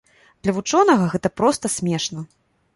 Для вучонага гэта проста смешна.